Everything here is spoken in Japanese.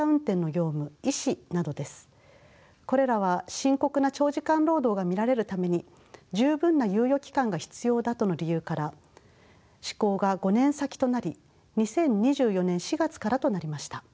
これらは深刻な長時間労働が見られるために十分な猶予期間が必要だとの理由から施行が５年先となり２０２４年４月からとなりました。